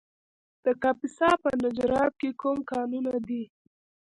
د کاپیسا په نجراب کې کوم کانونه دي؟